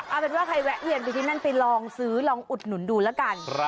เอาเป็นว่าใครแวะเวียนไปที่นั่นไปลองซื้อลองอุดหนุนดูแล้วกัน